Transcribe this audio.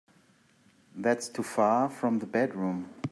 That's too far from the bedroom.